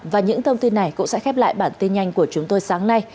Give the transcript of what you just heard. và những thông tin này cũng sẽ khép lại bản tin nhanh của chúng tôi sáng nay